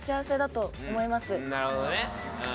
なるほどねうん。